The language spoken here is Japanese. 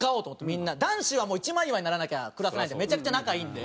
みんな男子は一枚岩にならなきゃクラス内でめちゃくちゃ仲いいんで。